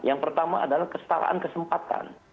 yang pertama adalah kestaraan kesempatan